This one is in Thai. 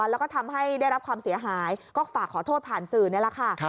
แล้วก็ทำให้ได้รับความเสียหายก็ฝากขอโทษผ่านสื่อนี่แหละค่ะ